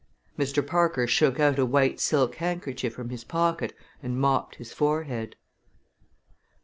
Mr. Parker shook out a white silk handkerchief from his pocket and mopped his forehead.